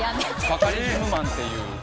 バカリズムマンっていう。